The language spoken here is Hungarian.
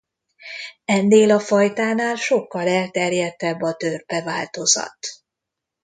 Ennél a fajtánál sokkal elterjedtebb a törpe változat.